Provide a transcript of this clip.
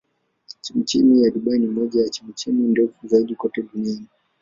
Chemchemi ya Dubai ni moja ya chemchemi ndefu zaidi kote duniani.